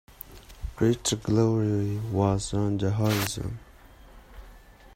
Greater glory was on the horizon.